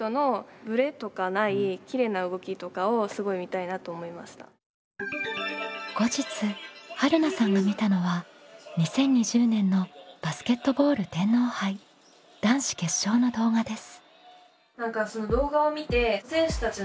大きな気付きとしては後日はるなさんが見たのは２０２０年のバスケットボール天皇杯男子決勝の動画です。